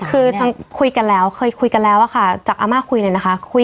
คือทั้งคุยกันแล้วเคยคุยกันแล้วอะค่ะจากอาม่าคุยเลยนะคะ